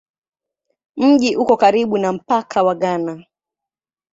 Mji uko karibu na mpaka wa Ghana.